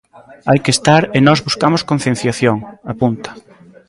Hai que estar e nós buscamos concienciación, apunta.